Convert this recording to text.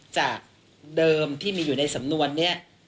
จากเดิมที่มีอยู่ในสำนวนนี้